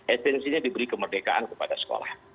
esensinya diberi kemerdekaan kepada sekolah